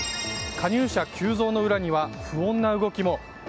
加入者急増の裏には不穏な動きも？